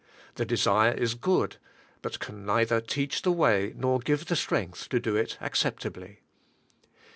The desire is good, but can neither teach the way nor give the strength to do it accept ably.